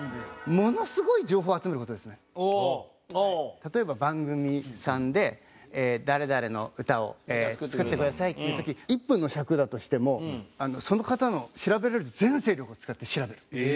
例えば番組さんで誰々の歌を作ってくださいっていう時１分の尺だとしてもその方の調べられる全精力を使って調べる。